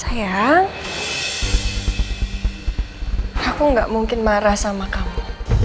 sayang aku gak mungkin marah sama kamu